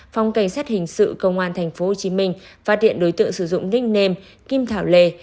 phòng cảnh sát hình sự công an tp hcm phát hiện đối tượng sử dụng nicknam kim thảo lê